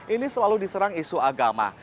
ini selalu diserang isu agama